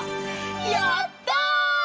やった！